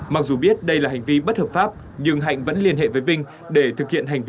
mặc dù biết đây là hành vi bất hợp pháp nhưng hạnh vẫn liên hệ với vinh để thực hiện hành vi